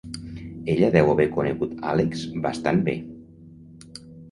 Ella deu haver conegut Alex bastant bé.